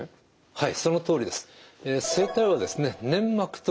はい。